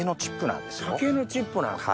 竹のチップなんですね。